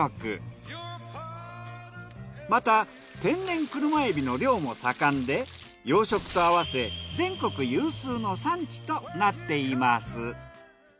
また天然クルマエビの漁も盛んで養殖と合わせ全国有数の産地となっています。